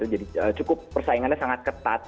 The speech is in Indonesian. jadi cukup persaingannya sangat ketat